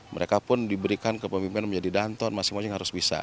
mereka pun diberikan ke pemimpin menjadi danton masing masing harus bisa